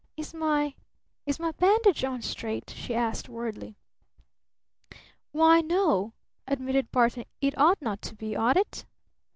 "Is my is my bandage on straight?" she asked worriedly. "Why, no," admitted Barton; "it ought not to be, ought it?"